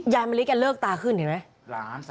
ย่านมะลิกันเลิกตาขึ้นเห็นไหม